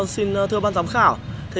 xin thưa ban giám khảo